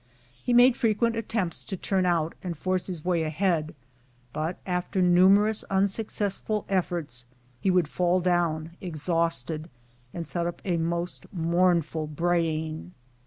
He made frequent attempts to turn out and force his way ahead, but after numerous unsuccessful efforts he would fall down exhausted, and set up a most mournful braying.